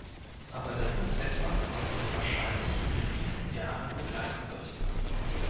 Aber das ist etwas, was uns wahrscheinlich in den nächsten Jahren begleiten wird.